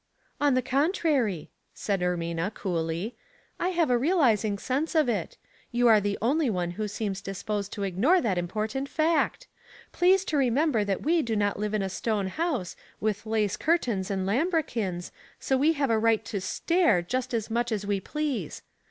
'' On the contrary," said Ermina, coolly, " I have a realizing sense of it; you are the only one who seems disposed to ignore that important fact. Please to remember that we do not live in a stone house, with lace curtains and lambre quins, so we have a right to stare just as much as v/e please.